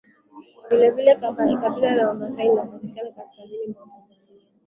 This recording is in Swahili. vile vile kabila la maasai linapatikana kaskazini mwa Tanzania